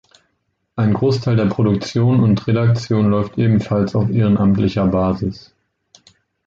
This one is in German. Ein Großteil der Produktion und Redaktion läuft ebenfalls auf ehrenamtlicher Basis.